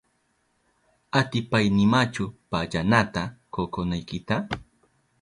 ¿Atipaynimachu pallanata kokonaykita?